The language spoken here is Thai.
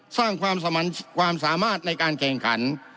สร้างความสามารถในการแข่งขัน